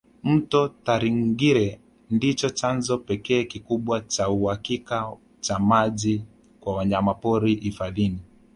Mto Tarangire ndio chanzo pekee kikubwa na cha uhakika cha maji kwa wanyamapori hifadhini